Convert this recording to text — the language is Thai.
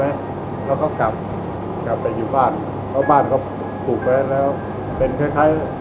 แล้วเขากลับไปอยู่บ้านแล้วบ้านเขาก็ผูกไป